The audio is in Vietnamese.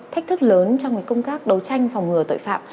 thách thức lớn trong công tác đấu tranh phòng ngừa tội phạm